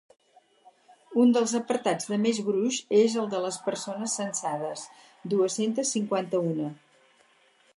Un dels apartats de més gruix és el de persones cessades, dues-centes cinquanta-u.